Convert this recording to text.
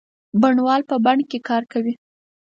بڼوال په بڼ کې کار کوي.